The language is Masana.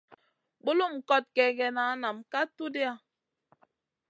Bulum kot kègèna nam ka tudha.